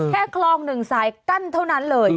แค่คลองหนึ่งสายกั้นเท่านั้นเลย